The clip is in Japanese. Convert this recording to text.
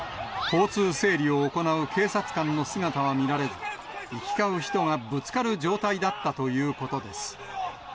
交通整理を行う警察官の姿は見られず、行き交う人がぶつかる状態だったということです。